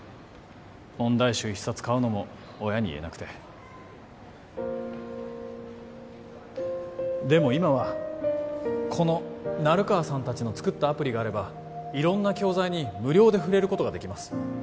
問題集１冊買うのも親に言えなくてでも今はこの成川さん達の作ったアプリがあれば色んな教材に無料で触れることができます